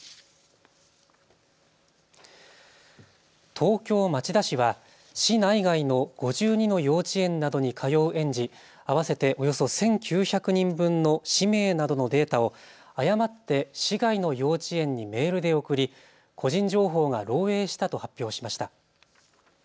東京町田市は市内外の５２の幼稚園などに通う園児合わせておよそ１９００人分の氏名などのデータを誤って市外の幼稚園にメールで送り、個人情報が漏えいしたと発表しました。